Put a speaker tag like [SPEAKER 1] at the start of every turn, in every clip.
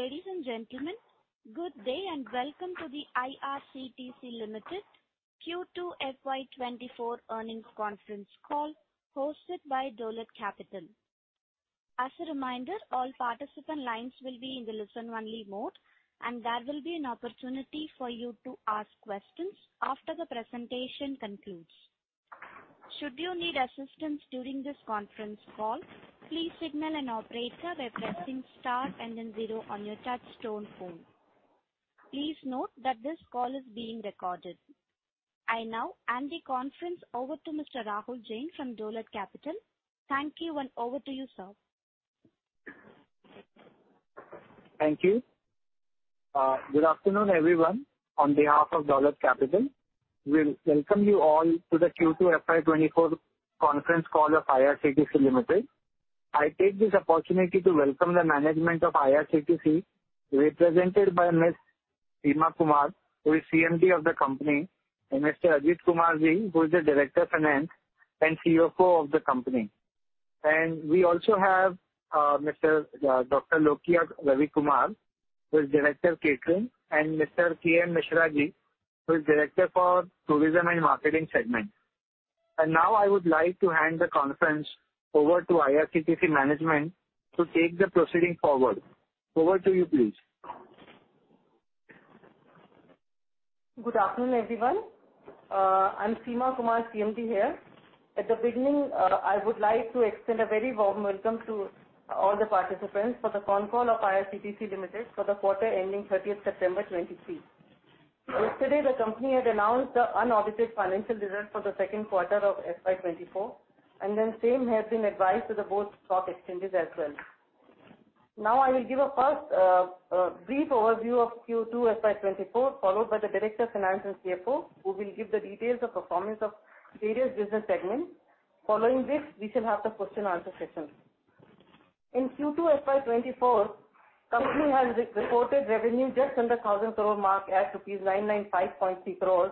[SPEAKER 1] Ladies and gentlemen, good day, and welcome to the IRCTC Limited Q2 FY24 earnings conference call, hosted by Dolat Capital. As a reminder, all participant lines will be in the listen-only mode, and there will be an opportunity for you to ask questions after the presentation concludes. Should you need assistance during this conference call, please signal an operator by pressing star and then zero on your touchtone phone. Please note that this call is being recorded. I now hand the conference over to Mr. Rahul Jain from Dolat Capital. Thank you, and over to you, sir.
[SPEAKER 2] Thank you. Good afternoon, everyone. On behalf of Dolat Capital, we welcome you all to the Q2 FY24 conference call of IRCTC Limited. I take this opportunity to welcome the management of IRCTC, represented by Ms. Seema Kumar, who is CMD of the company, and Mr. Ajit Kumar Ji, who is the Director of Finance and CFO of the company. We also have Mr. Dr. Lokiah Ravikumar, who is Director of Catering, and Mr. KM Mishra Ji, who is Director for Tourism and Marketing segment. Now I would like to hand the conference over to IRCTC management to take the proceeding forward. Over to you, please.
[SPEAKER 3] Good afternoon, everyone. I'm Seema Kumar, CMD here. At the beginning, I would like to extend a very warm welcome to all the participants for the conference call of IRCTC Limited for the quarter ending thirtieth September 2023. Yesterday, the company had announced the unaudited financial results for the second quarter of FY 2024, and then same has been advised to the both stock exchanges as well. Now, I will give a brief overview of Q2 FY 2024, followed by the Director of Finance and CFO, who will give the details of performance of various business segments. Following this, we shall have the question and answer session. In Q2 FY 2024, company has re-reported revenue just under 1,000 crore mark at rupees 995.6 crores,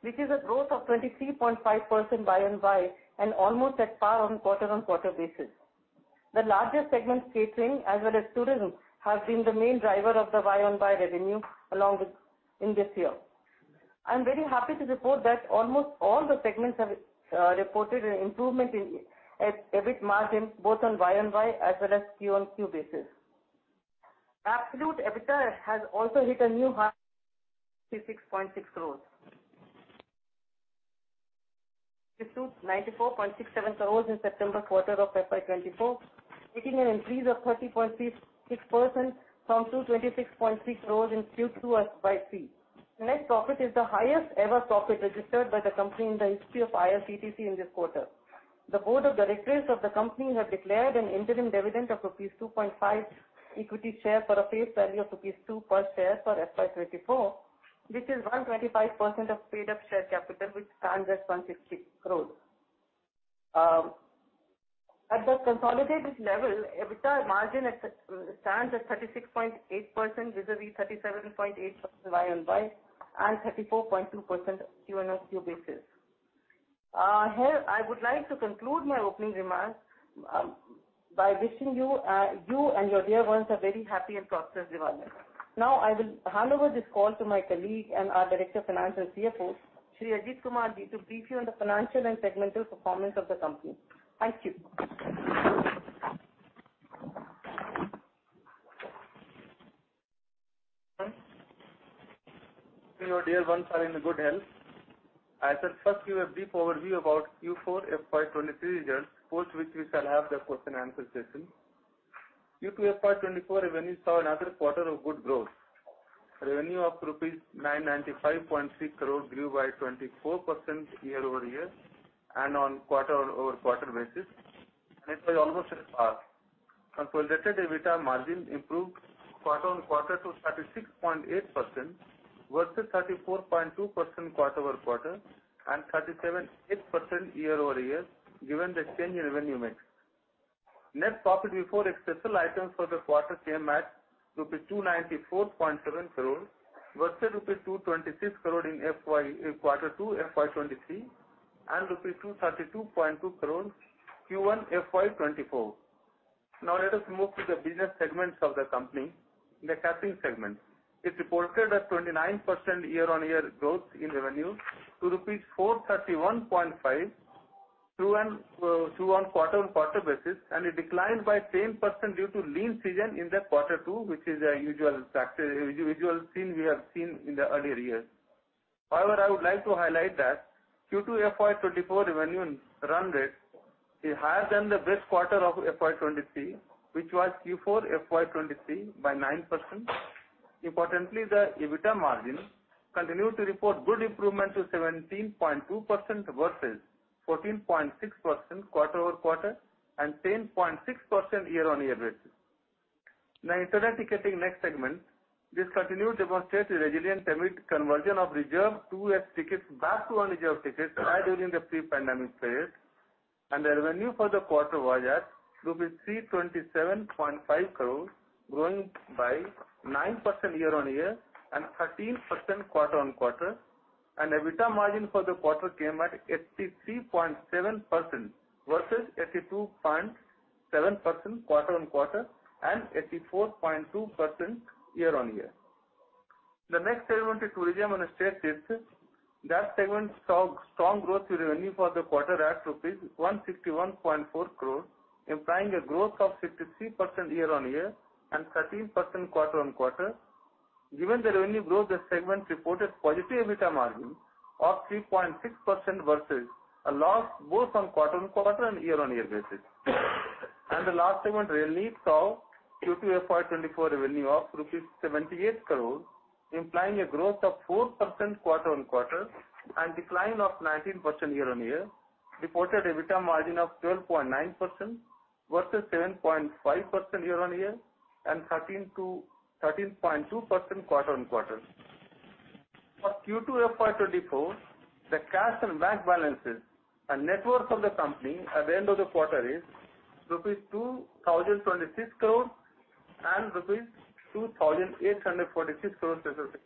[SPEAKER 3] which is a growth of 23.5% YoY and almost at par on quarter-on-quarter basis. The largest segment, catering, as well as tourism, have been the main driver of the YoY revenue along with... in this year. I'm very happy to report that almost all the segments have reported an improvement in EBIT margin, both on YoY as well as QoQ basis. Absolute EBITDA has also hit a new high to 6.6 crores. To 94.67 crores in September quarter of FY 2024, making an increase of 30.36% from INR 226.6 crores in Q2 FY 2023.Net profit is the highest ever profit registered by the company in the history of IRCTC in this quarter. The board of directors of the company have declared an interim dividend of rupees 2.5 per equity share of face value of rupees 2 per share for FY 2024, which is 125% of paid-up share capital, which stands at 160 crore. At the consolidated level, EBITDA margin stands at 36.8%, vis-à-vis 37.8% Y-o-Y, and 34.2% Q-o-Q basis. Here, I would like to conclude my opening remarks by wishing you, you and your dear ones a very happy and prosperous Diwali. Now, I will hand over this call to my colleague and our Director of Finance and CFO, Shri Ajit Kumar Ji, to brief you on the financial and segmental performance of the company. Thank you.
[SPEAKER 4] You and your dear ones are in good health. I shall first give a brief overview about Q4 FY 2023 results, post which we shall have the question-answer session. Q2 FY 2024 revenue saw another quarter of good growth. Revenue of rupees 995.6 crore grew by 24% year-over-year and on a quarter-over-quarter basis, and it was almost at par. Consolidated EBITDA margin improved quarter-over-quarter to 36.8%, versus 34.2% quarter-over-quarter and 37.8% year-over-year, given the change in revenue mix. Net profit before exceptional items for the quarter came at rupees 294.7 crore, versus rupees 226 crore in Q2 FY 2023, and rupees 232.2 crore in Q1 FY 2024. Now, let us move to the business segments of the company. The catering segment. It reported a 29% year-on-year growth in revenue to rupees 431.52 on quarter-on-quarter basis, and it declined by 10% due to lean season in the quarter 2, which is a usual factor, usual thing we have seen in the earlier years. However, I would like to highlight that Q2 FY 2024 revenue run rate is higher than the best quarter of FY 2023, which was Q4 FY 2023, by 9%. Importantly, the EBITDA margin continued to report good improvement to 17.2% versus 14.6% quarter-over-quarter and 10.6% year-on-year basis. Now, internet ticketing next segment. This continued to demonstrate the resilient demand conversion of reserved two-way tickets back to unreserved tickets, high during the pre-pandemic period, and the revenue for the quarter was at rupees 327.5 crores, growing by 9% year-on-year and 13% quarter-on-quarter. And EBITDA margin for the quarter came at 83.7%, versus 82.7% quarter-on-quarter, and 84.2% year-on-year. The next segment is tourism and estates. That segment saw strong growth in revenue for the quarter at rupees 161.4 crores, implying a growth of 63% year-on-year and 13% quarter-on-quarter. Given the revenue growth, this segment reported positive EBITDA margin of 3.6% versus a loss both on quarter-on-quarter and year-on-year basis. The last segment, Railneer, saw Q2 FY 2024 revenue of rupees 78 crore, implying a growth of 4% quarter-on-quarter and decline of 19% year-on-year, reported EBITDA margin of 12.9% versus 7.5% year-on-year and 13%-13.2% quarter-on-quarter. For Q2 FY 2024, the cash and bank balances and net worth of the company at the end of the quarter is rupees 2,026 crore and rupees 2,846 crore, respectively.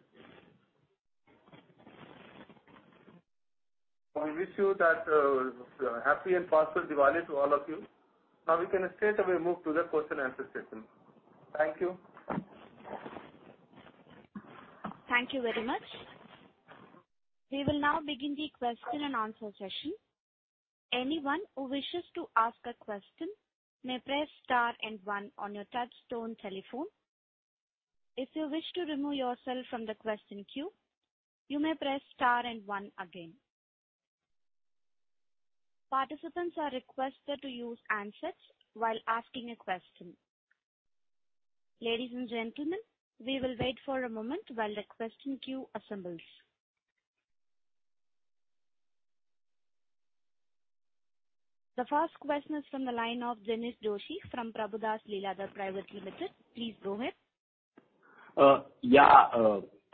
[SPEAKER 4] We wish you that, happy and prosperous Diwali to all of you. Now we can straightaway move to the question-answer session. Thank you.
[SPEAKER 1] Thank you very much. We will now begin the question and answer session. Anyone who wishes to ask a question may press star and one on your touchtone telephone. If you wish to remove yourself from the question queue, you may press star and one again. Participants are requested to use answers while asking a question. Ladies and gentlemen, we will wait for a moment while the question queue assembles. The first question is from the line of Jinesh Joshi from Prabhudas Lilladher Private Limited. Please go ahead.
[SPEAKER 5] Yeah,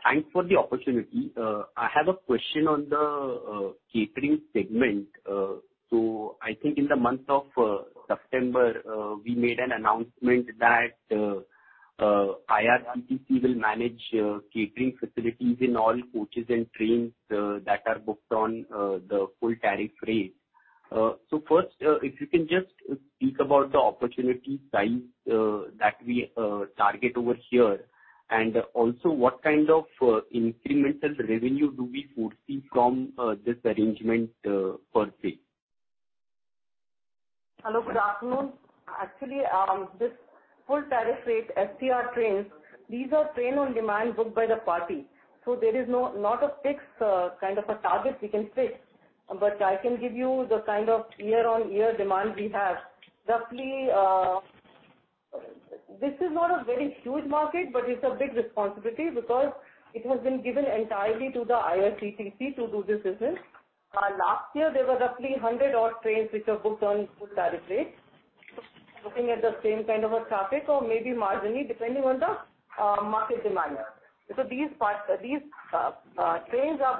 [SPEAKER 5] thanks for the opportunity. I have a question on the catering segment. So I think in the month of September, we made an announcement that IRCTC will manage catering facilities in all coaches and trains that are booked on the full tariff rate. So first, if you can just speak about the opportunity size that we target over here, and also, what kind of incremental revenue do we foresee from this arrangement, per se?
[SPEAKER 3] Hello, good afternoon. Actually, this full tariff rate, STR trains, these are train on demand booked by the party, so there is no, not a fixed kind of a target we can fix, but I can give you the kind of year-on-year demand we have. Roughly, this is not a very huge market, but it's a big responsibility because it has been given entirely to the IRCTC to do this business. Last year there were roughly 100 odd trains which were booked on full tariff rate. Looking at the same kind of a traffic or maybe marginally, depending on the market demand. So these trains are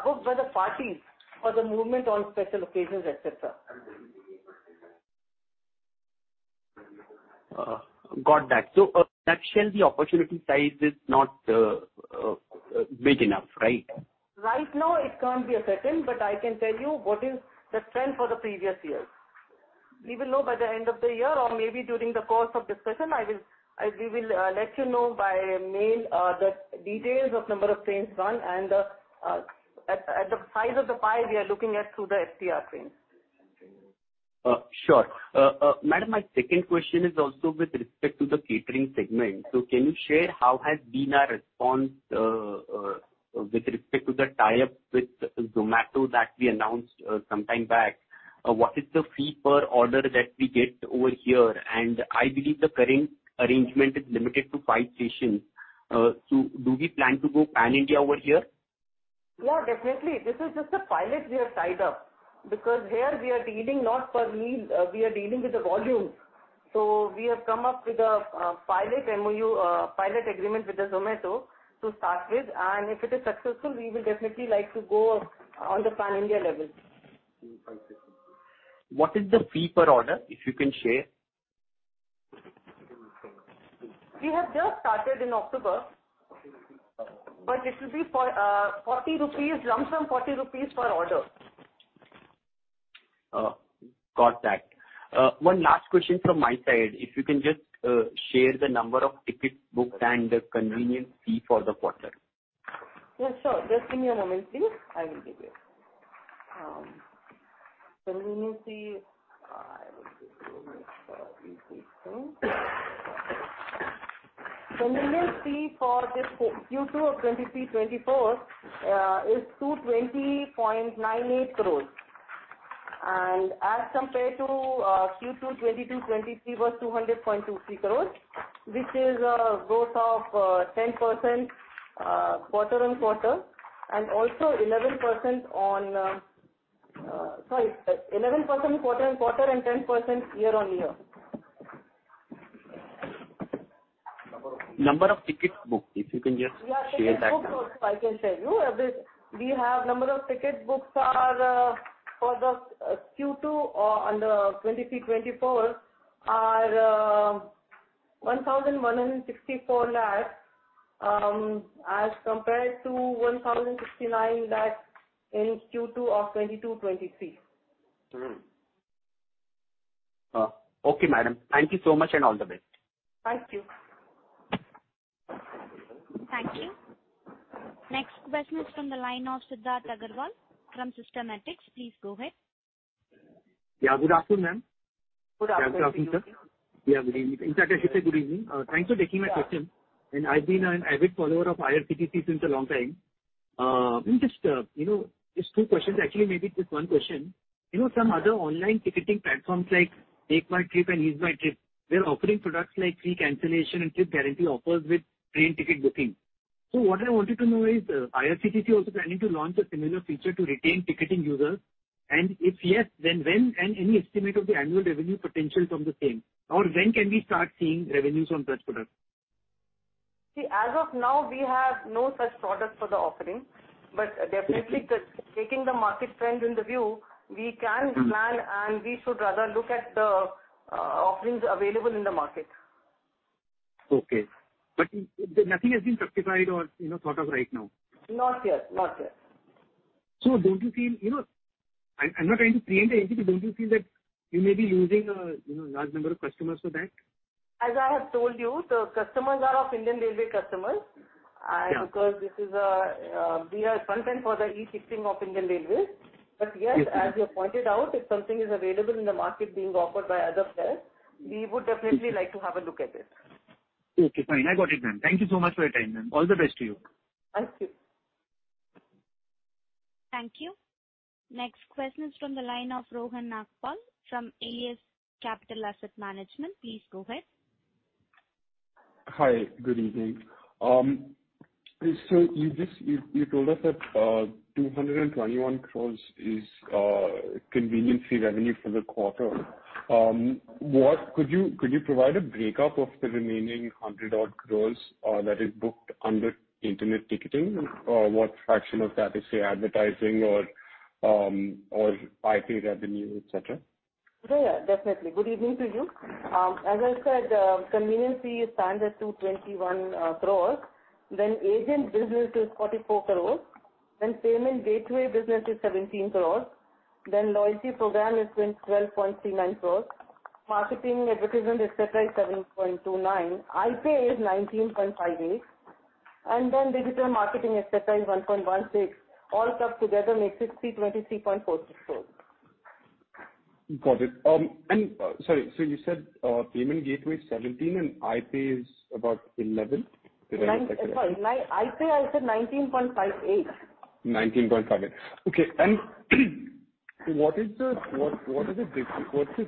[SPEAKER 3] booked by the parties for the movement on special occasions, et cetera.
[SPEAKER 5] Got that. So that shall the opportunity size is not big enough, right?
[SPEAKER 3] Right now, it can't be a certain, but I can tell you what is the trend for the previous years. We will know by the end of the year or maybe during the course of discussion, we will let you know by mail the details of number of trains run and at the size of the pie we are looking at through the STR trains.
[SPEAKER 5] Sure. Madam, my second question is also with respect to the catering segment. So can you share how has been our response, with respect to the tie-up with Zomato that we announced, sometime back? What is the fee per order that we get over here? And I believe the current arrangement is limited to five stations. So do we plan to go pan-India over here?
[SPEAKER 3] Yeah, definitely. This is just a pilot we have tied up, because here we are dealing not per meal, we are dealing with the volume. So we have come up with a pilot MOU, pilot agreement with Zomato to start with, and if it is successful, we will definitely like to go on the pan-India level.
[SPEAKER 5] What is the fee per order, if you can share?
[SPEAKER 3] We have just started in October, but it will be for 40 rupees, lump sum 40 rupees per order.
[SPEAKER 5] Got that. One last question from my side. If you can just share the number of tickets booked and the convenience fee for the quarter.
[SPEAKER 3] Yeah, sure. Just give me a moment please, I will give you. Convenience fee, convenience fee for this Q2 of 2023-2024 is 220.98 crores. And as compared to Q2 2022-2023 was 200.23 crores, which is a growth of ten percent quarter-on-quarter, and also eleven percent on. Sorry, eleven percent quarter-on-quarter and ten percent year-on-year.
[SPEAKER 5] Number of tickets booked, if you can just share that number?
[SPEAKER 3] Yeah, tickets booked also I can share you. We have number of tickets booked are for the Q2 of the 2023-2024 are 1,164 lakhs as compared to 1,069 lakhs in Q2 of 2022-2023.
[SPEAKER 5] Okay, madam. Thank you so much, and all the best.
[SPEAKER 3] Thank you.
[SPEAKER 1] Thank you. Next question is from the line of Sidharth Agrawal from Systematix. Please go ahead.
[SPEAKER 6] Yeah, good afternoon, ma'am.
[SPEAKER 3] Good afternoon.
[SPEAKER 6] Yeah, good evening. In fact, I should say good evening. Thanks for taking my question. And I've been an avid follower of IRCTC since a long time. Just, you know, just two questions, actually, maybe just one question. You know, some other online ticketing platforms like MakeMyTrip and EaseMyTrip, they're offering products like free cancellation and trip guarantee offers with train ticket booking. So what I wanted to know is, IRCTC also planning to launch a similar feature to retain ticketing users? And if yes, then when, and any estimate of the annual revenue potential from the same, or when can we start seeing revenues on such products?
[SPEAKER 3] See, as of now, we have no such product for the offering, but definitely, taking the market trend in the view, we can plan. And we should rather look at the offerings available in the market.
[SPEAKER 6] Okay. But nothing has been testified or, you know, thought of right now?
[SPEAKER 3] Not yet. Not yet.
[SPEAKER 6] So don't you feel... You know, I'm not trying to create anything, but don't you feel that you may be losing, you know, large number of customers for that?
[SPEAKER 3] As I have told you, the customers are of Indian Railways customers-
[SPEAKER 6] Yeah.
[SPEAKER 3] Because this is a, we are content for the e-ticketing of Indian Railways.
[SPEAKER 6] Yes, ma'am.
[SPEAKER 3] Yes, as you pointed out, if something is available in the market being offered by others there, we would definitely like to have a look at it.
[SPEAKER 6] Okay, fine. I got it, ma'am. Thank you so much for your time, ma'am. All the best to you.
[SPEAKER 3] Thank you.
[SPEAKER 1] Thank you. Next question is from the line of Rohan Nagpal from Helios Capital Asset Management. Please go ahead.
[SPEAKER 7] Hi. Good evening. So you just told us that 221 crore is convenience fee revenue for the quarter. What could you provide a breakup of the remaining 100-odd crore that is booked under internet ticketing? Or what fraction of that is, say, advertising or IP revenue, et cetera?
[SPEAKER 3] Yeah, yeah, definitely. Good evening to you. As I said, convenience fee stands at 221 crores, then agent business is 44 crores, then payment gateway business is 17 crores, then loyalty program is 12.39 crores, marketing, advertisement, et cetera, is 7.29, iPAY is 19.58, and then digital marketing, et cetera, is 1.16. All put together makes it 23.46 crores.
[SPEAKER 7] Got it. Sorry, so you said, payment gateway is 17, and iPAY is about 11?
[SPEAKER 3] Sorry, iPay, I said 19.58.
[SPEAKER 7] 19.58. Okay, and what's the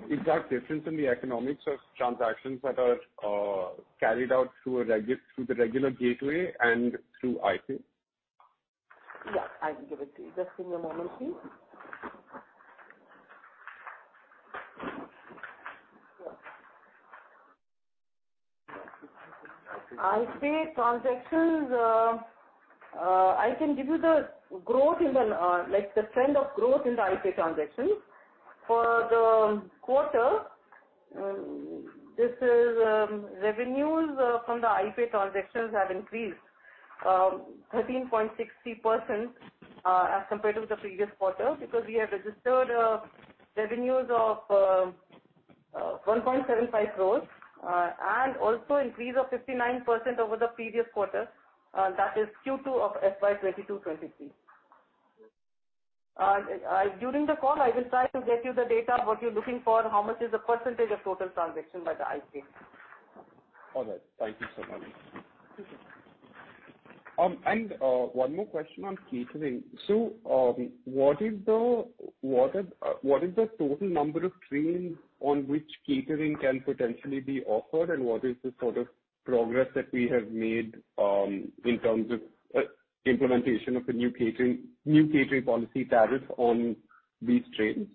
[SPEAKER 7] exact difference in the economics of transactions that are carried out through the regular gateway and through iPay?
[SPEAKER 3] Yeah, I can give it to you. Just give me a moment, please. iPay transactions, I can give you the growth in the, like, the trend of growth in the iPaytransactions. For the quarter, this is, revenues from the iPay transactions have increased, 13.60%, as compared to the previous quarter, because we have registered, revenues of, 1.75 crore, and also increase of 59% over the previous quarter, that is Q2 of FY 2022-23. During the call, I will try to get you the data, what you're looking for, how much is the percentage of total transaction by the iPay.
[SPEAKER 7] All right. Thank you so much.
[SPEAKER 3] Okay.
[SPEAKER 7] One more question on catering. What is the total number of trains on which catering can potentially be offered, and what is the sort of progress that we have made in terms of implementation of the new catering policy tariffs on these trains?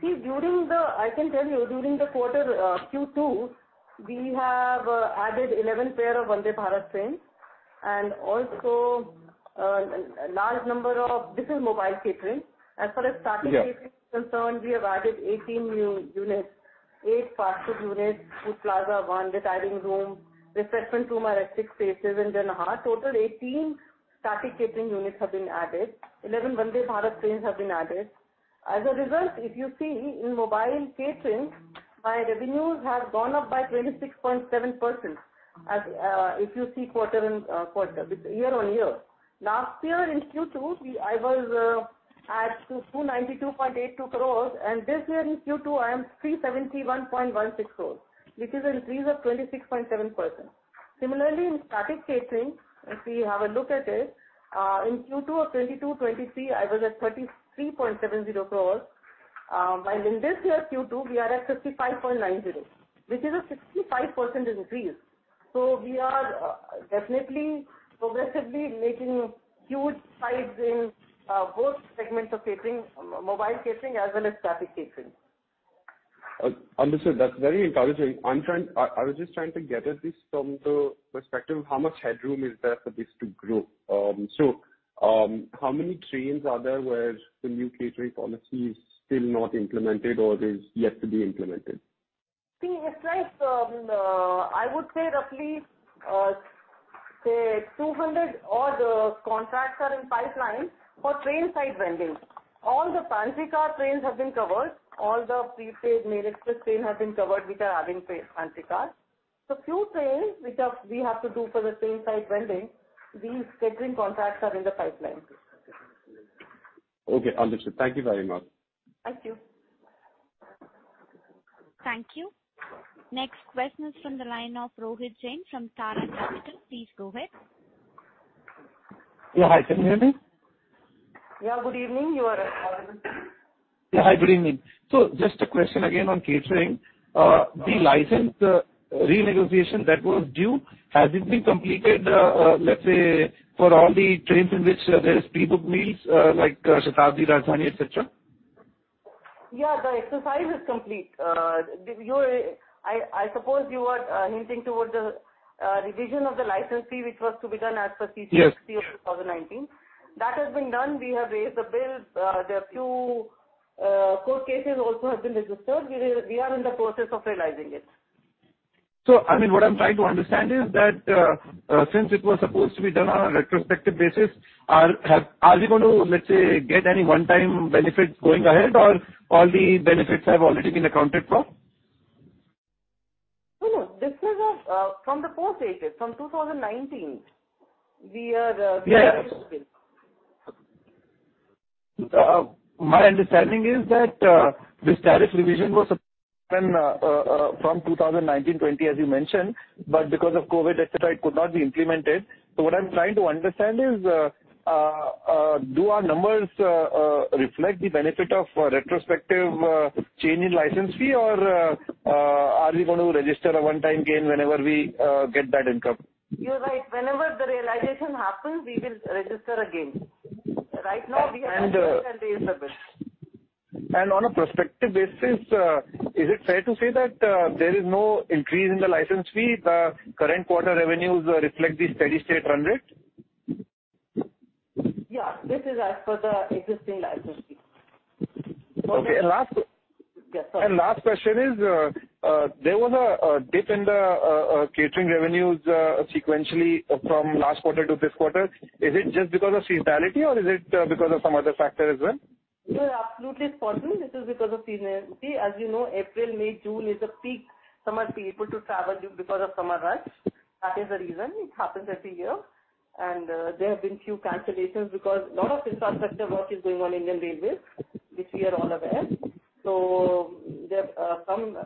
[SPEAKER 3] See, during the—I can tell you, during the quarter, Q2, we have added 11 pair of Vande Bharat trains, and also, a large number of this is mobile catering.
[SPEAKER 7] Yeah.
[SPEAKER 3] As far as static catering is concerned, we have added 18 new units, 8 parcel units, food plaza, 1 retiring room, refreshment room at six spaces, and then a half. Total 18 static catering units have been added. 11 Vande Bharat trains have been added. As a result, if you see in mobile catering, my revenues have gone up by 26.7%, as if you see quarter-on-quarter with year-on-year. Last year in Q2, I was at 292.82 crores, and this year in Q2, I am 371.16 crores, which is an increase of 26.7%. Similarly, in static catering, if we have a look at it, in Q2 of 2022-23, it was at 33.70 crore, while in this year's Q2, we are at 55.90 crore, which is a 65% increase. So we are definitely progressively making huge strides in both segments of catering, mobile catering as well as static catering.
[SPEAKER 7] Understood. That's very encouraging. I'm trying to gather this from the perspective of how much headroom is there for this to grow. How many trains are there where the new catering policy is still not implemented or is yet to be implemented?
[SPEAKER 3] See, it's like, I would say roughly, say 200 or the contracts are in the pipeline for train side vending. All the pantry car trains have been covered, all the prepaid mail express train have been covered, which are having pantry car. So few trains which have-- we have to do for the train side vending, these catering contracts are in the pipeline.
[SPEAKER 7] Okay, understood. Thank you very much.
[SPEAKER 3] Thank you.
[SPEAKER 1] Thank you. Next question is from the line of Rohit Jain from Tara Capital. Please go ahead.
[SPEAKER 8] Yeah. Hi, can you hear me?
[SPEAKER 3] Yeah. Good evening, you are-
[SPEAKER 8] Yeah. Hi, good evening. So just a question again on catering. The license renegotiation that was due, has it been completed, let's say, for all the trains in which there is pre-booked meals, like Shatabdi, Rajdhani, et cetera?
[SPEAKER 3] Yeah, the exercise is complete. I suppose you are hinting towards the revision of the license fee, which was to be done as per CC-
[SPEAKER 8] Yes.
[SPEAKER 3] 2019. That has been done. We have raised the bill. There are few court cases also have been registered. We are in the process of realizing it.
[SPEAKER 8] I mean, what I'm trying to understand is that since it was supposed to be done on a retrospective basis, are we going to, let's say, get any one-time benefit going ahead, or all the benefits have already been accounted for?
[SPEAKER 3] No, no. This is from the post date, from 2019, we are-
[SPEAKER 8] Yes. My understanding is that, this tariff revision was, from 2019/20, as you mentioned, but because of COVID, et cetera, it could not be implemented. So what I'm trying to understand is, do our numbers, reflect the benefit of a retrospective, change in license fee, or, are we going to register a one-time gain whenever we, get that income?
[SPEAKER 3] You're right. Whenever the realization happens, we will register a gain. Right now, we have-
[SPEAKER 8] And-
[SPEAKER 3] Raised the bill.
[SPEAKER 8] On a prospective basis, is it fair to say that there is no increase in the license fee, the current quarter revenues reflect the steady state under it?
[SPEAKER 3] Yeah, this is as per the existing license fee.
[SPEAKER 8] Okay, and last-
[SPEAKER 3] Yes, sir.
[SPEAKER 8] Last question is, there was a dip in the catering revenues sequentially from last quarter to this quarter. Is it just because of seasonality or is it because of some other factor as well?
[SPEAKER 3] No, absolutely seasonal. This is because of seasonality. As you know, April, May, June is a peak summer people to travel because of summer rush. That is the reason, it happens every year. There have been few cancellations because a lot of infrastructure work is going on Indian Railways, which we are all aware. So there are some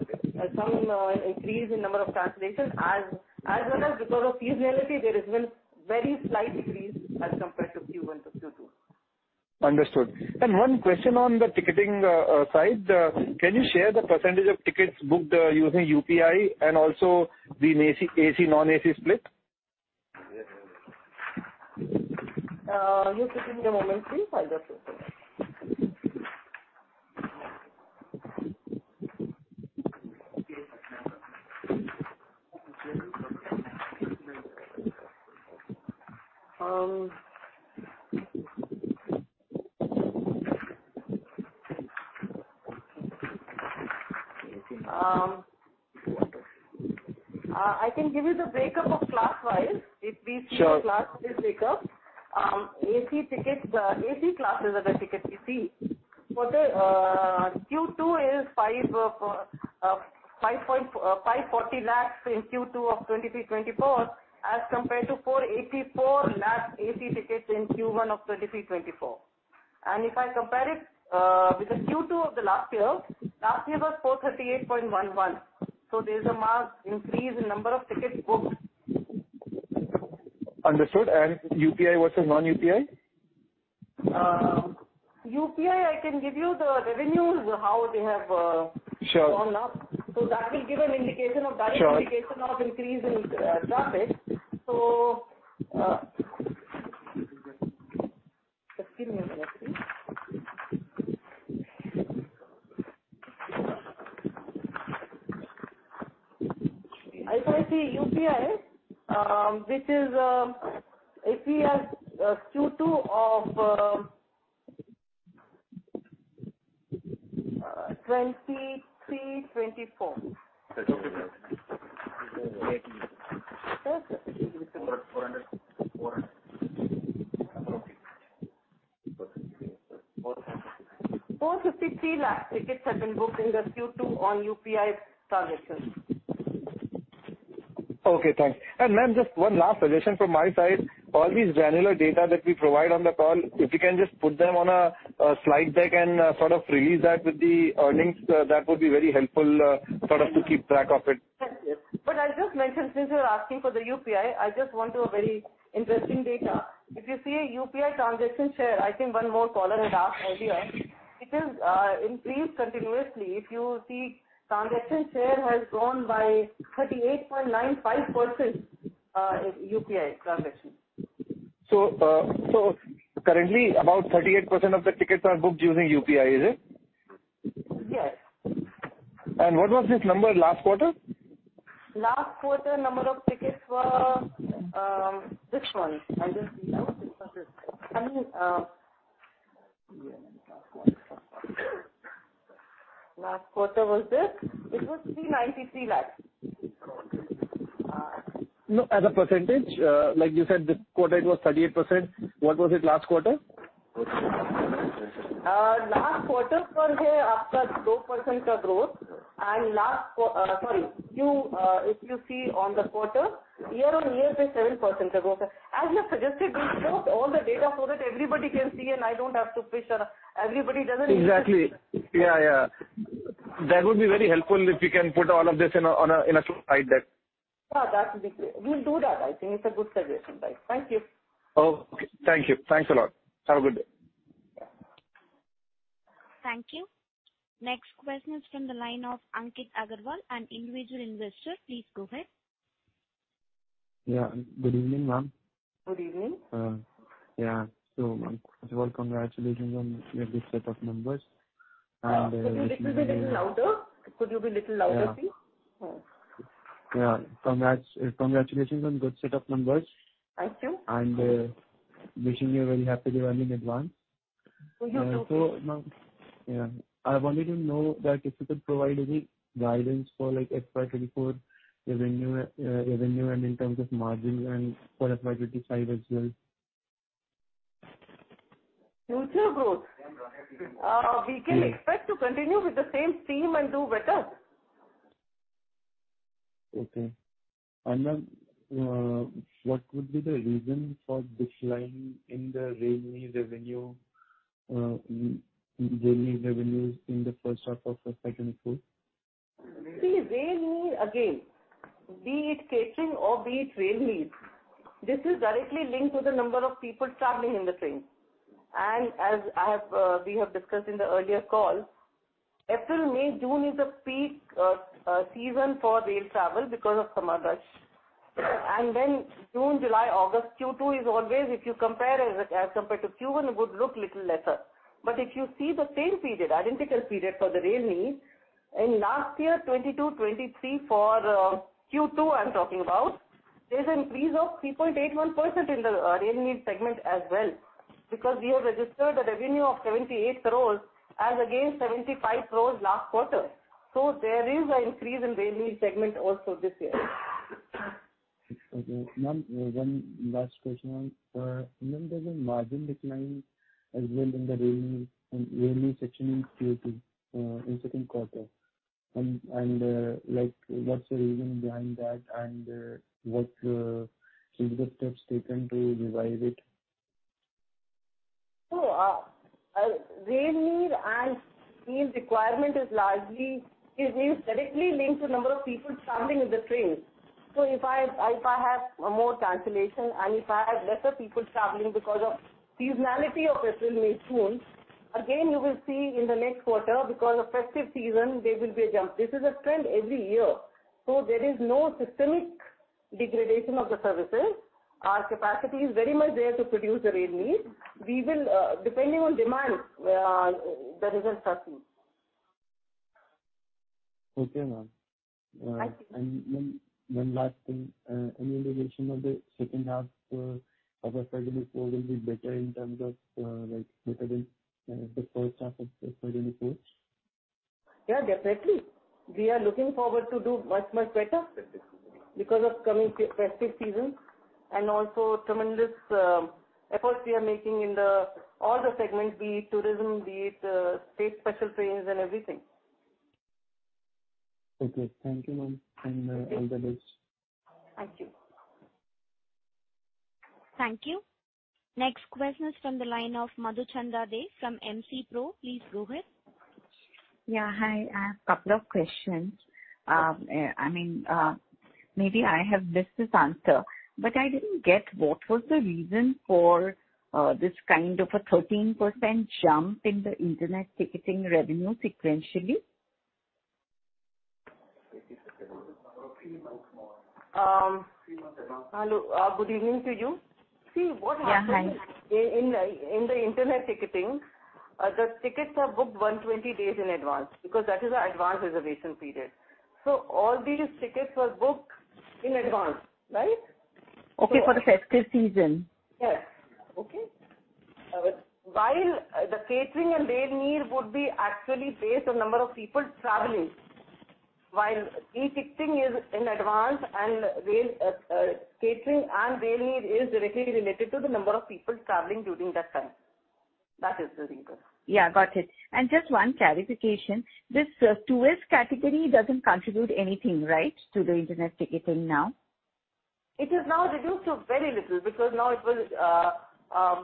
[SPEAKER 3] increase in number of cancellations as well as because of seasonality, there has been very slight decrease as compared to Q1 to Q2.
[SPEAKER 8] Understood. One question on the ticketing side, can you share the percentage of tickets booked using UPI and also the AC, AC, non-AC split?
[SPEAKER 3] Just give me a moment, please. I'll just... I can give you the break-up of class wise.
[SPEAKER 8] Sure.
[SPEAKER 3] If we see the class-wise breakup, AC tickets, AC classes of the tickets, you see, for the Q2 is 540 lakh in Q2 of 2023/2024, as compared to 484 lakh AC tickets in Q1 of 2023/2024. And if I compare it with the Q2 of the last year, last year was 438.11. So there's a marked increase in number of tickets booked.
[SPEAKER 8] Understood. And UPI versus non-UPI?
[SPEAKER 3] UPI, I can give you the revenues, how they have,
[SPEAKER 8] Sure.
[SPEAKER 3] Gone up. So that will give an indication of-
[SPEAKER 8] Sure.
[SPEAKER 3] Direct indication of increase in traffic. So, just give me a minute, please. If I see UPI, which is, if we have Q2 of 2023/2024. 453 lakh tickets have been booked in the Q2 on UPI transactions.
[SPEAKER 8] Okay, thanks. And ma'am, just one last suggestion from my side. All these granular data that we provide on the call, if you can just put them on a slide deck and sort of release that with the earnings, that would be very helpful, sort of to keep track of it.
[SPEAKER 3] Thank you. But I'll just mention, since you're asking for the UPI, I just want to a very interesting data. If you see a UPI transaction share, I think one more caller had asked earlier, it is, increased continuously. If you see, transaction share has grown by 38.95%, in UPI transactions.
[SPEAKER 8] So currently, about 38% of the tickets are booked using UPI, is it?
[SPEAKER 3] Yes.
[SPEAKER 8] What was this number last quarter?
[SPEAKER 3] Last quarter number of tickets were this one. I just see, I mean, last quarter was this. It was 393 lakhs.
[SPEAKER 8] No, as a percentage, like you said, this quarter it was 38%. What was it last quarter?
[SPEAKER 3] Last quarter was 2% growth, and last quarter—sorry, you, if you see on the quarter, year-on-year is 7% growth. As I suggested, we post all the data so that everybody can see, and I don't have to fish around. Everybody doesn't.
[SPEAKER 8] Exactly. Yeah, yeah. That would be very helpful if you can put all of this in a slide deck.
[SPEAKER 3] Yeah, that would be great. We'll do that. I think it's a good suggestion, right? Thank you.
[SPEAKER 8] Okay, thank you. Thanks a lot. Have a good day.
[SPEAKER 1] Thank you. Next question is from the line of Ankit Agarwal, an individual investor. Please go ahead.
[SPEAKER 9] Yeah. Good evening, ma'am.
[SPEAKER 3] Good evening.
[SPEAKER 9] Yeah. So first of all, congratulations on this set of numbers and-
[SPEAKER 3] Could you be little bit louder? Could you be little louder, please?
[SPEAKER 9] Yeah. Yeah. Congrats, congratulations on good set of numbers.
[SPEAKER 3] Thank you.
[SPEAKER 9] Wishing you a very happy Diwali in advance.
[SPEAKER 3] Thank you.
[SPEAKER 9] Ma'am, yeah, I wanted to know that if you could provide any guidance for, like, FY 2024 revenue, revenue and in terms of margins and for FY 2025 as well.
[SPEAKER 3] Future growth?
[SPEAKER 9] Yes.
[SPEAKER 3] We can expect to continue with the same theme and do better.
[SPEAKER 9] Okay. What would be the reason for decline in the rail meal revenue in rail meal revenues in the first half of FY 24?
[SPEAKER 3] See, rail meal, again, be it catering or be it rail meals, this is directly linked to the number of people traveling in the train. And as I have, we have discussed in the earlier call, April, May, June is a peak, season for rail travel because of summer rush. And then June, July, August, Q2, is always, if you compare as, as compared to Q1, it would look little lesser. But if you see the same period, identical period for the rail meal, in last year, 2022-2023, for, Q2, I'm talking about, there's an increase of 3.81% in the, rail meal segment as well. Because we have registered a revenue of 78 crore, as against 75 crore last quarter. So there is an increase in rail meal segment also this year.
[SPEAKER 9] Okay. Ma'am, one last question. There's a margin decline as well in the rail meal, in rail meal section in Q2, in second quarter. And, like, what's the reason behind that, and what is the steps taken to revise it?
[SPEAKER 3] So, rail meal and meal requirement is largely directly linked to number of people traveling in the train. So if I have more cancellation and if I have lesser people traveling because of seasonality of April, May, June, again, you will see in the next quarter, because of festive season, there will be a jump. This is a trend every year, so there is no systemic degradation of the services. Our capacity is very much there to produce the rail meal. We will, depending on demand, the results are seen.
[SPEAKER 9] Okay, ma'am.
[SPEAKER 3] Thank you.
[SPEAKER 9] And one last thing, any indication of the second half of FY 2024 will be better in terms of, like, better than the first half of FY 2024?
[SPEAKER 3] Yeah, definitely. We are looking forward to do much, much better because of coming festive season and also tremendous efforts we are making in all the segments, be it tourism, be it state special trains and everything.
[SPEAKER 9] Okay. Thank you, ma'am, and all the best.
[SPEAKER 3] Thank you.
[SPEAKER 1] Thank you. Next question is from the line of Madhuchanda Dey from MC Pro. Please go ahead.
[SPEAKER 10] Yeah, hi, I have a couple of questions. I mean, maybe I have missed this answer, but I didn't get what was the reason for this kind of a 13% jump in the Internet Ticketing revenue sequentially?
[SPEAKER 3] Hello, good evening to you. See, what happened-
[SPEAKER 10] Yeah, hi.
[SPEAKER 3] In the Internet Ticketing, the tickets are booked 120 days in advance, because that is our advance reservation period. So all these tickets were booked in advance, right?
[SPEAKER 10] Okay, for the festive season?
[SPEAKER 3] Yes. Okay? While the catering and rail meal would be actually based on number of people traveling, while e-ticketing is in advance and rail catering and rail meal is directly related to the number of people traveling during that time. That is the reason.
[SPEAKER 10] Yeah, got it. Just one clarification, this tourist category doesn't contribute anything, right, to the internet ticketing now?
[SPEAKER 3] It is now reduced to very little, because now it will.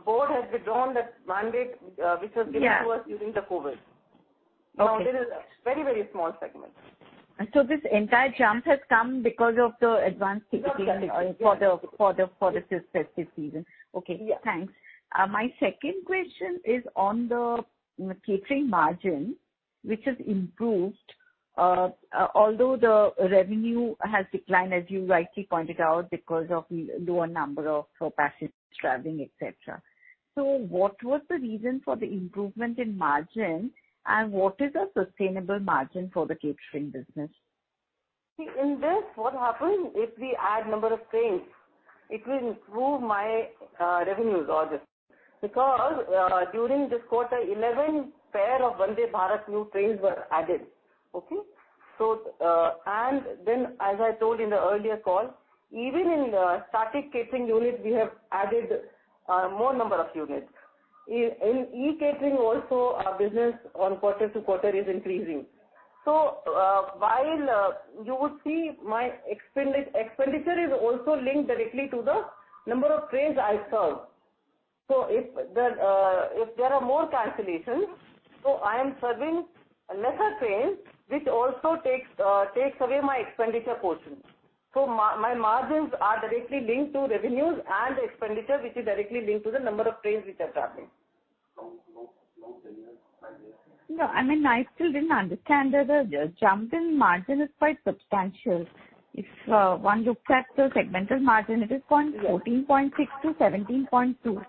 [SPEAKER 3] Board has withdrawn the mandate.
[SPEAKER 10] Yeah.
[SPEAKER 3] Which was given to us during the COVID.
[SPEAKER 10] Okay.
[SPEAKER 3] Now it is a very, very small segment.
[SPEAKER 10] So this entire jump has come because of the advanced ticketing-
[SPEAKER 3] Correct. for the festive season. Okay. Yeah.
[SPEAKER 10] Thanks. My second question is on the catering margin, which has improved, although the revenue has declined, as you rightly pointed out, because of lower number of passengers traveling, et cetera. So what was the reason for the improvement in margin, and what is the sustainable margin for the catering business?
[SPEAKER 3] See, in this, what happens if we add number of trains, it will improve my revenues orders. Because during this quarter, 11 pair of Vande Bharat new trains were added. Okay? So, and then as I told you in the earlier call, even in static catering units, we have added more number of units. In e-catering also, our business on quarter-to-quarter is increasing. So while you would see my expenditure is also linked directly to the number of trains I serve. So if there are more cancellations, so I am serving lesser trains, which also takes away my expenditure portion. So my margins are directly linked to revenues and expenditure, which is directly linked to the number of trains which are traveling.
[SPEAKER 10] No, I mean, I still didn't understand that the jump in margin is quite substantial. If one looks at the segmental margin, it is 14.6-17.2.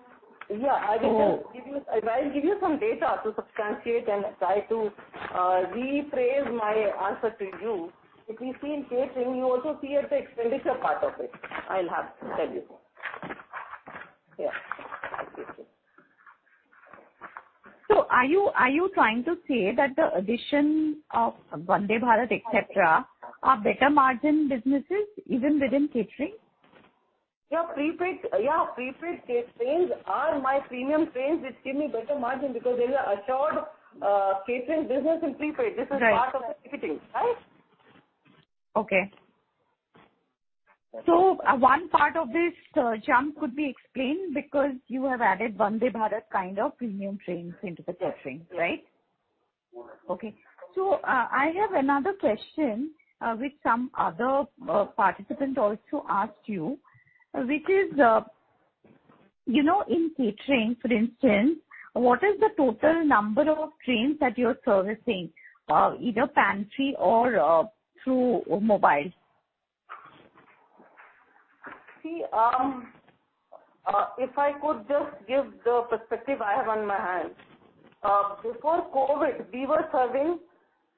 [SPEAKER 3] Yeah.
[SPEAKER 10] So-
[SPEAKER 3] I will just give you - I will give you some data to substantiate and try to rephrase my answer to you. If you see in catering, you also see at the expenditure part of it. I'll have to tell you more. Yeah, I'll give you.
[SPEAKER 10] Are you trying to say that the addition of Vande Bharat, et cetera, are better margin businesses, even within catering?
[SPEAKER 3] Yeah, prepaid, yeah, prepaid trains are my premium trains, which give me better margin because there is a assured catering business in prepaid.
[SPEAKER 10] Right.
[SPEAKER 3] This is part of the ticketing, right?
[SPEAKER 10] Okay. So one part of this jump could be explained because you have added Vande Bharat kind of premium trains into the catering, right?
[SPEAKER 3] Yes.
[SPEAKER 10] Okay. So, I have another question, which some other participant also asked you, which is, you know, in catering, for instance, what is the total number of trains that you are servicing, either pantry or through mobile?
[SPEAKER 3] See, if I could just give the perspective I have on my hand. Before COVID, we were serving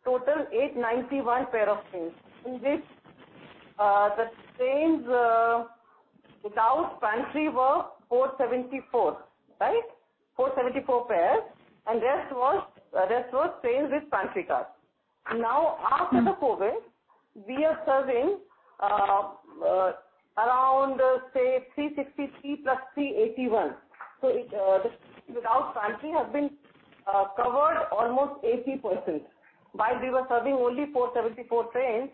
[SPEAKER 3] total 891 pair of trains, in which, the trains, without pantry were 474, right? 474 pairs, and rest was, rest was trains with pantry cars. Now, after the COVID, we are serving, around, say, 363 + 381. So it, without pantry has been, covered almost 80%. While we were serving only 474 trains,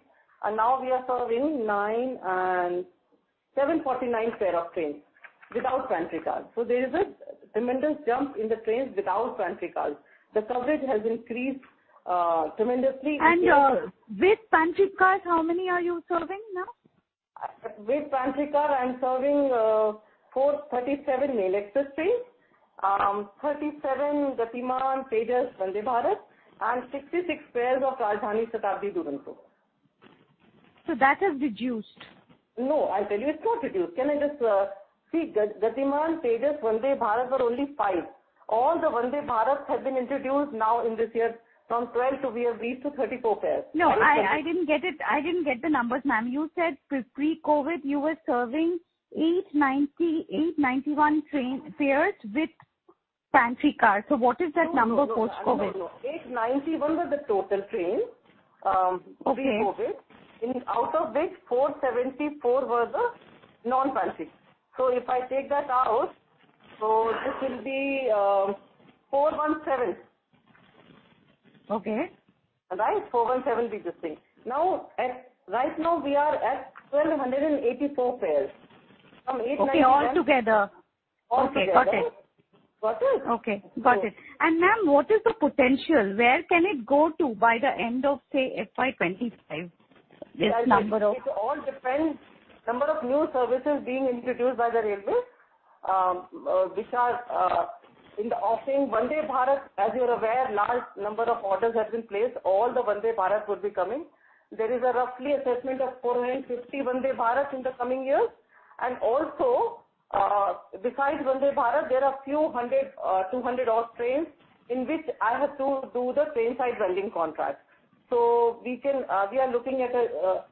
[SPEAKER 3] and now we are serving 9,749 pair of trains without pantry cars. So there is a tremendous jump in the trains without pantry cars. The coverage has increased, tremendously-
[SPEAKER 10] With pantry cars, how many are you serving now?
[SPEAKER 3] With pantry car, I am serving 437 Mail Express trains, 37 Gatimaan, Tejas, Vande Bharat, and 66 pairs of Rajdhani, Shatabdi, Duronto.
[SPEAKER 10] So that has reduced?
[SPEAKER 3] No, I tell you, it's not reduced. Can I just, See, Gatimaan, Tejas, Vande Bharat were only five. All the Vande Bharat have been introduced now in this year. From 12 to we have reached to 34 pairs.
[SPEAKER 10] No, I didn't get it. I didn't get the numbers, ma'am. You said pre-COVID, you were serving 890, 891 train pairs with pantry car. So what is that number post-COVID?
[SPEAKER 3] No, no, no. 891 was the total train,
[SPEAKER 10] Okay.
[SPEAKER 3] Pre-COVID, and out of which 474 was the non-pantry. So if I take that out, so this will be 417.
[SPEAKER 10] Okay.
[SPEAKER 3] Right? 417 be the thing. Now, right now, we are at 1,284 pairs. From 891-
[SPEAKER 10] Okay, all together.
[SPEAKER 3] All together.
[SPEAKER 10] Okay, got it.
[SPEAKER 3] Got it?
[SPEAKER 10] Okay, got it.
[SPEAKER 3] Okay.
[SPEAKER 10] Ma'am, what is the potential? Where can it go to by the end of, say, FY 2025, this number of-
[SPEAKER 3] It all depends, number of new services being introduced by the railways, which are in the offering. Vande Bharat, as you are aware, large number of orders have been placed. All the Vande Bharat would be coming. There is a roughly assessment of 450 Vande Bharat in the coming years. And also, besides Vande Bharat, there are a few hundred, 200 odd trains in which I have to do the train side vending contract. So we can, we are looking at a,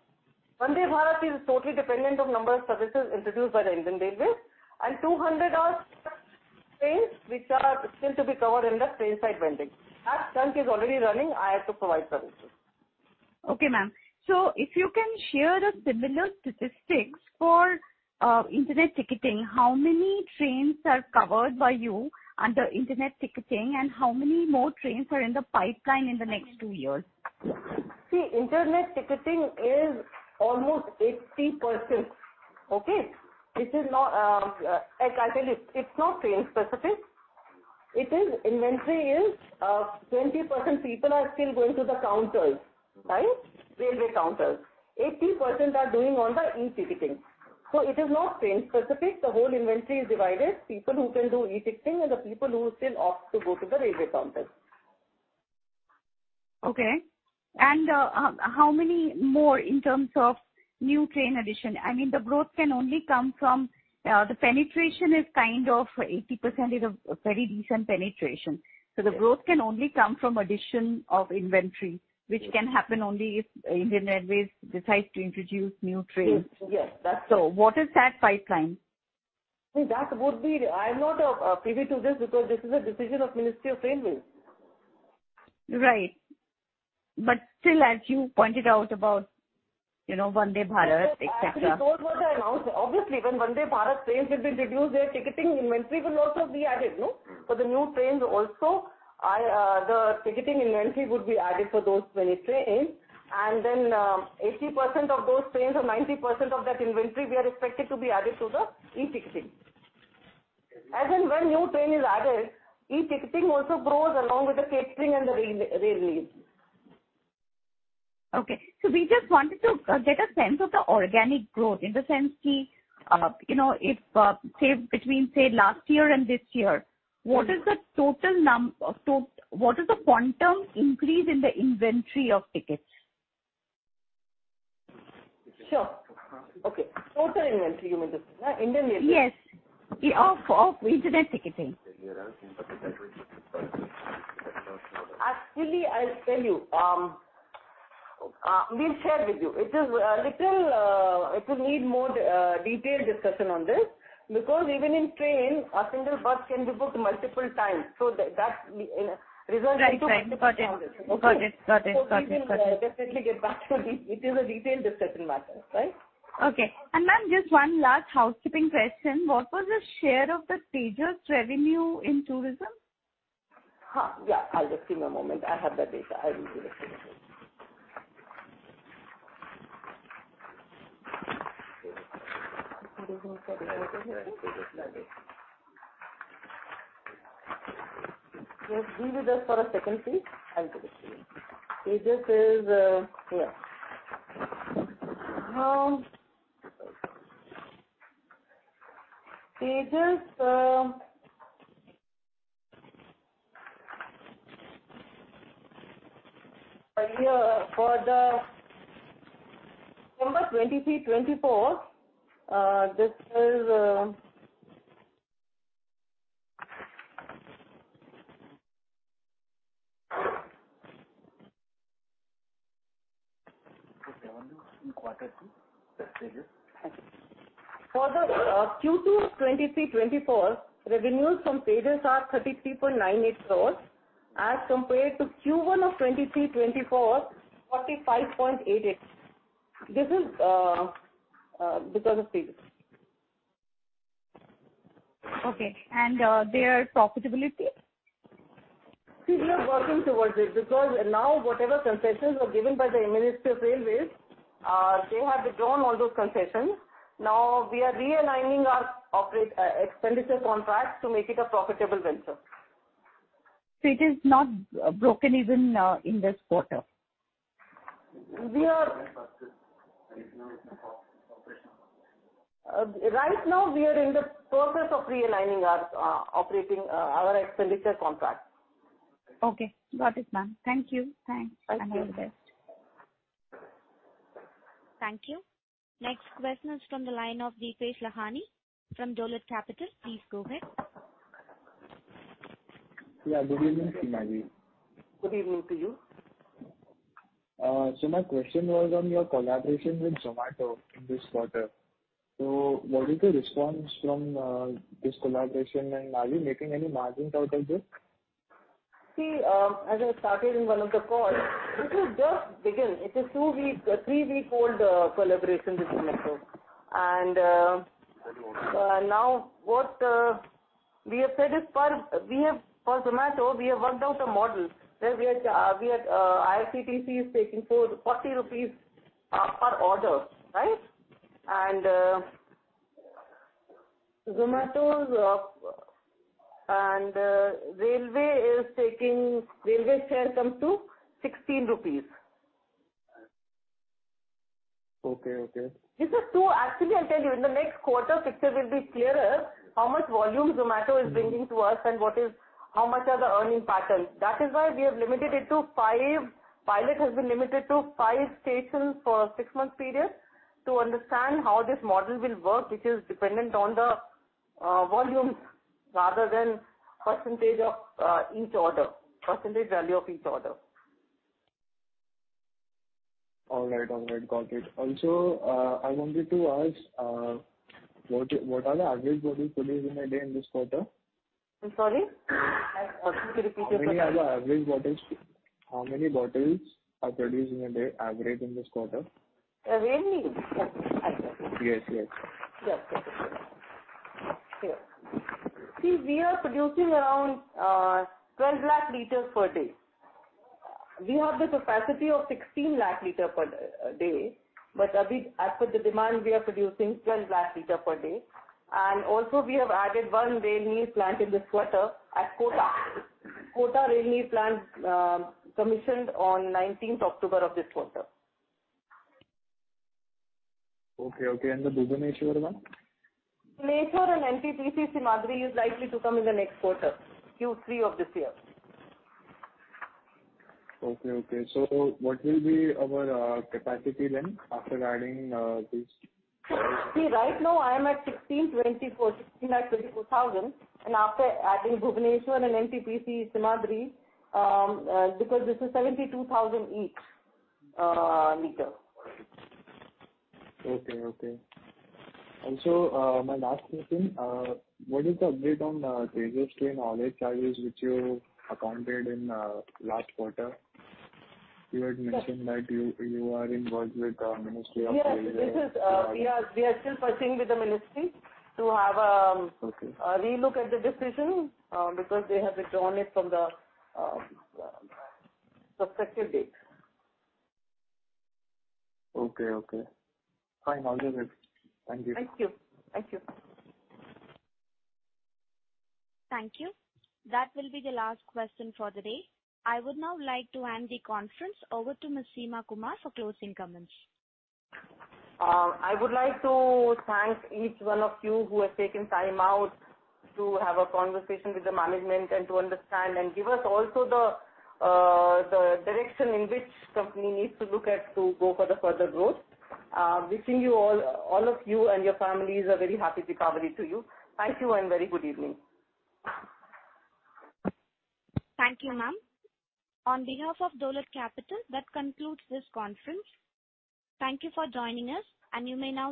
[SPEAKER 3] Vande Bharat is totally dependent on number of services introduced by the Indian Railways, and 200 odd trains, which are still to be covered in the train side vending. As Jan Shatabdi is already running, I have to provide services.
[SPEAKER 10] Okay, ma'am. So if you can share the similar statistics for Internet Ticketing, how many trains are covered by you under Internet Ticketing, and how many more trains are in the pipeline in the next two years?
[SPEAKER 3] See, internet ticketing is almost 80%. Okay? This is not, like I tell you, it's not train specific. It is. Inventory is, 20% people are still going to the counters, right? Railway counters. 80% are doing on the e-ticketing. So it is not train specific. The whole inventory is divided, people who can do e-ticketing and the people who still opt to go to the railway counters.
[SPEAKER 10] Okay. And, how many more in terms of new train addition. I mean, the growth can only come from, the penetration is kind of 80% is a very decent penetration. So the growth can only come from addition of inventory, which can happen only if Indian Railways decides to introduce new trains.
[SPEAKER 3] Yes, that's-
[SPEAKER 10] What is that pipeline?
[SPEAKER 3] See, I am not privy to this, because this is a decision of Ministry of Railways.
[SPEAKER 10] Right. But still, as you pointed out about, you know, Vande Bharat, et cetera.
[SPEAKER 3] Actually, those were the announcement. Obviously, when Vande Bharat trains will be introduced, their ticketing inventory will also be added, no? For the new trains also, I, the ticketing inventory would be added for those many trains. And then, 80% of those trains or 90% of that inventory, we are expected to be added to the e-ticketing. As and when new train is added, e-ticketing also grows along with the catering and the railway.
[SPEAKER 10] Okay. So we just wanted to get a sense of the organic growth, in the sense, you know, if, say, between, say, last year and this year. So what is the quantum increase in the inventory of tickets?
[SPEAKER 3] Sure. Okay. Total inventory you were just, Indian Railways?
[SPEAKER 10] Yes. Of Internet Ticketing.
[SPEAKER 3] Actually, I'll tell you, we'll share with you. It is little, it will need more detailed discussion on this. Because even in train, a single bus can be booked multiple times, so that, you know, results into-
[SPEAKER 10] Right, right. Got it.
[SPEAKER 3] -multiple tickets.
[SPEAKER 10] Got it. Got it, got it.
[SPEAKER 3] So we can definitely get back to you. It is a detailed discussion matter, right?
[SPEAKER 10] Okay. Ma'am, just one last housekeeping question: What was the share of the Tejas revenue in tourism?
[SPEAKER 3] Yeah, I'll just give me a moment. I have that data. I will give it to you. Just give me just for a second, please. I'll give it to you. Tejas is, yeah. Tejas. For the Q2 of 2023-24, revenues from Tejas are 33.98 crores, as compared to Q1 of 2023-24, 45.88 crores. This is because of Tejas.
[SPEAKER 10] Okay, and their profitability?
[SPEAKER 3] We are working towards it, because now whatever concessions were given by the Ministry of Railways, they have withdrawn all those concessions. Now, we are realigning our operate, expenditure contracts to make it a profitable venture.
[SPEAKER 10] So it is not breaking even in this quarter?
[SPEAKER 3] We are right now in the process of realigning our operating expenditure contracts.
[SPEAKER 10] Okay. Got it, ma'am. Thank you. Thanks.
[SPEAKER 3] Thank you.
[SPEAKER 10] All the best.
[SPEAKER 1] Thank you. Next question is from the line of Deepesh Lakhani from Dolat Capital. Please go ahead.
[SPEAKER 11] Yeah, good evening, Seema ji.
[SPEAKER 3] Good evening to you.
[SPEAKER 11] So my question was on your collaboration with Zomato in this quarter. So what is the response from this collaboration, and are you making any margins out of this?
[SPEAKER 3] See, as I started in one of the calls, this has just begun. It is two weeks, three-week-old collaboration with Zomato. And, now, what we have said is. For Zomato, we have worked out a model where we are, we are, IRCTC is taking 40 rupees per order, right? And, Zomato's, and, railway is taking... railway share comes to 16 rupees.
[SPEAKER 11] Okay, okay.
[SPEAKER 3] Actually, I'll tell you, in the next quarter, the picture will be clearer, how much volume Zomato is bringing to us and what is, how much are the earning patterns. That is why we have limited it to five, pilot has been limited to five stations for a six-month period, to understand how this model will work, which is dependent on the volumes rather than percentage of each order, percentage value of each order.
[SPEAKER 11] All right, all right. Got it. Also, I wanted to ask, what are the average bottles produced in a day in this quarter?
[SPEAKER 3] I'm sorry? I want you to repeat the question.
[SPEAKER 11] How many bottles are produced in a day, average in this quarter?
[SPEAKER 3] Really?
[SPEAKER 11] Yes, yes.
[SPEAKER 3] Yes.
[SPEAKER 11] Yes.
[SPEAKER 3] Yeah. See, we are producing around 12 lakh liters per day. We have the capacity of 16 lakh liters per day, but as per the demand, we are producing 12 lakh liters per day. And also, we have added one railway plant in this quarter at Kota. Kota Railway Plant commissioned on 19th October of this quarter.
[SPEAKER 11] Okay, okay. And the Bhubaneswar one?
[SPEAKER 3] Bhubaneswar and NTPC Simhadri is likely to come in the next quarter, Q3 of this year.
[SPEAKER 11] Okay, okay. So what will be our capacity then, after adding these?
[SPEAKER 3] See, right now I am at 1,624,000, and after adding Bhubaneswar and NTPC Simhadri, because this is 72,000 each, liter.
[SPEAKER 11] Okay, okay. Also, my last question: What is the update on Tejas train outage charges, which you accounted in last quarter? You had mentioned that you are working with the Ministry of Railways.
[SPEAKER 3] Yes, this is. We are still pursuing with the Ministry to have a-
[SPEAKER 11] Okay.
[SPEAKER 3] Relook at the decision because they have withdrawn it from the successive date.
[SPEAKER 11] Okay, okay. Fine, I'll get it. Thank you.
[SPEAKER 3] Thank you. Thank you.
[SPEAKER 1] Thank you. That will be the last question for the day. I would now like to hand the conference over to Ms. Seema Kumar for closing comments.
[SPEAKER 3] I would like to thank each one of you who has taken time out to have a conversation with the management and to understand, and give us also the direction in which company needs to look at to go for the further growth. Wishing you all, all of you and your families a very happy recovery to you. Thank you, and very good evening.
[SPEAKER 1] Thank you, ma'am. On behalf of Dolat Capital, that concludes this conference. Thank you for joining us, and you may now disconnect your lines.